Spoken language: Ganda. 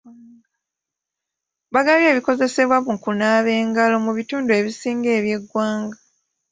Bagabye ebikozesebwa mu kunaaba engalo mu bitundu ebisinga eby'eggwanga.